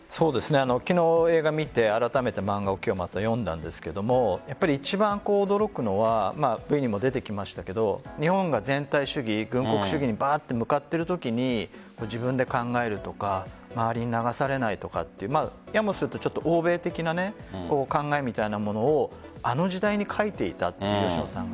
昨日、映画を見てあらためて漫画を今日また読んだんですけど一番驚くのは今も出てきましたけど日本が全体主義、軍国主義に向かっているときに自分で考えるとか周りに流されないとかってやもすると欧米的な考えみたいなものをあの時代に書いていたと吉野さんが。